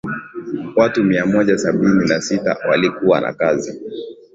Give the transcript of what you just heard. watu mia moja sabini na sita walikuwa na kazi